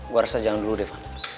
gue rasa jangan dulu devan